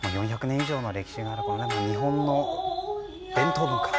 ４００年以上の歴史がある日本の伝統文化